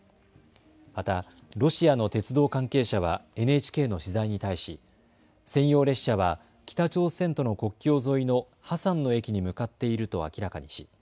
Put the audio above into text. またロシアの鉄道関係者はＮＨＫの取材に対し専用列車は北朝鮮との国境沿いのハサンの駅に向かっていると明らかにし